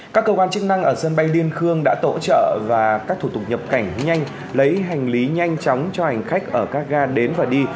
các cơ quan chức năng ở sân bay liên khương đã tổ trợ và các thủ tục nhập cảnh nhanh lấy hành lý nhanh chóng cho hành khách ở các ga đến và đi